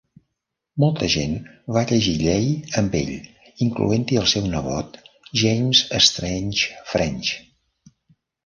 Molta gent va llegir llei amb ell, incloent-hi el seu nebot James Strange French.